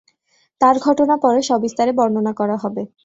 তার ঘটনা পরে সবিস্তারে বর্ণনা করা হবে।